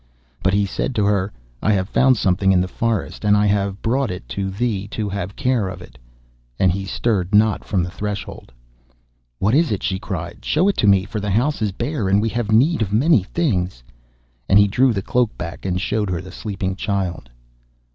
But he said to her, 'I have found something in the forest, and I have brought it to thee to have care of it,' and he stirred not from the threshold. 'What is it?' she cried. 'Show it to me, for the house is bare, and we have need of many things.' And he drew the cloak back, and showed her the sleeping child.